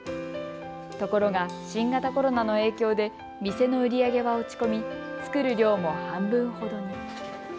ところが新型コロナの影響で店の売り上げは落ち込み作る量も半分ほどに。